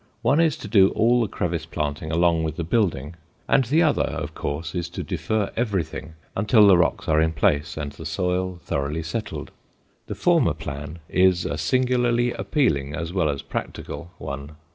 One is to do all the crevice planting along with the building, and the other, of course, is to defer everything until the rocks are in place and the soil thoroughly settled. The former plan is a singularly appealing, as well as practical, one.